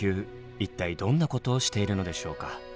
一体どんなことをしているのでしょうか。